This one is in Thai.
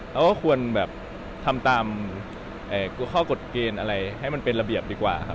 เราก็ควรแบบทำตามข้อกฎเกณฑ์อะไรให้มันเป็นระเบียบดีกว่าครับ